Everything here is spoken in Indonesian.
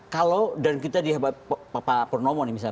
kalau dan kita dihebat papa purnomo nih misalnya